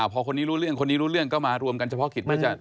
พอคนนี้รู้เรื่องคนนี้รู้เรื่องก็มารวมกันเฉพาะกิจเพื่อจะ